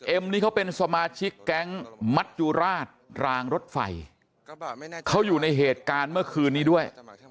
นี่เขาเป็นสมาชิกแก๊งมัจจุราชรางรถไฟเขาอยู่ในเหตุการณ์เมื่อคืนนี้ด้วย